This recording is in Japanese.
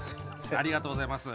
ありがとうございます。